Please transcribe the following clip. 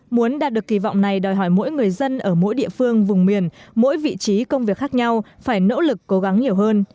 muốn đạt được kỳ vọng này đòi hỏi mỗi người dân ở mỗi địa phương vùng miền mỗi vị trí công việc khác nhau phải nỗ lực cố gắng nhiều hơn